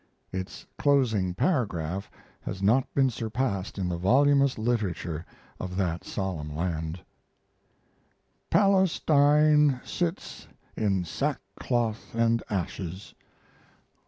Its closing paragraph has not been surpassed in the voluminous literature of that solemn land: Palestine sits in sackcloth and ashes.